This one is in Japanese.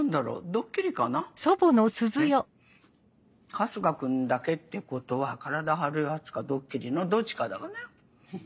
春日君だけってことは体張るやつかドッキリのどっちかだね。